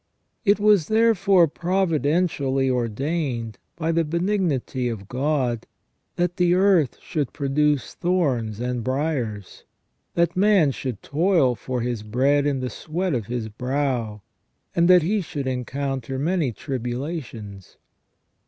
It was therefore providentially ordained, by the benignity of God, that the earth should produce thorns and briars, that man should toil for his bread in the sweat of his brow, and that he should encounter many tribulations.